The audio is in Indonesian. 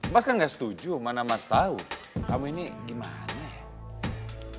mas kan gak setuju mana mas tau kamu ini gimana ya